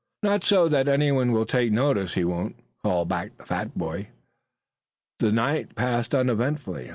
"Not so that anyone will notice it, he won't," called back the fat boy. The night passed uneventfully.